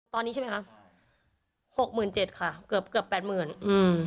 ตอนนี้ใช่ไหมคะหกหมื่นเจ็ดค่ะเกือบเกือบแปดหมื่นอืม